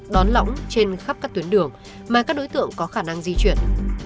đón lõng trên khắp các tuyến đường mà các đối tượng có khả năng di chuyển